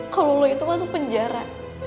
kalau lo itu masuk penjara